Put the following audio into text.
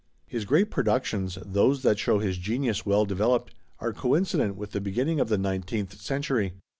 His great productions, those that show his genius well developed, are coincident with the beginning of the nineteenth century.